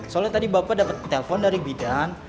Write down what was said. soalnya tadi bapak dapet telepon dari bidan